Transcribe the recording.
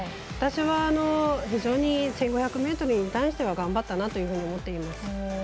私は、非常に１５００ｍに対して頑張ったなというふうに思ってます。